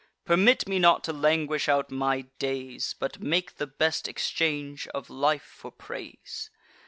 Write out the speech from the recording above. Permit me not to languish out my days, But make the best exchange of life for praise.